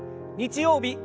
日曜日